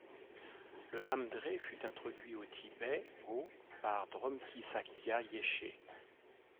Le Lamdré fut introduit au Tibet au par Drokmi Sakya Yéshé.